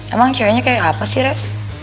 emang ceweknya kayak apa sih red